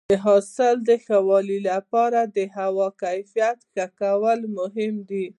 د حاصل د ښه والي لپاره د هوا کیفیت ښه کول مهم دي.